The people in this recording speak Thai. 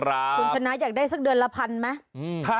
คุณชนะอยากได้สักเดือนละพันไหม